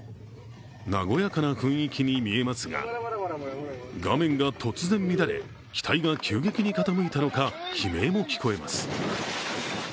和やかな雰囲気に見えますが画面が突然乱れ、機体が急激に傾いたのか、悲鳴も聞こえます。